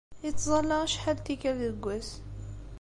Ittẓalla acḥal n tikkal deg wass.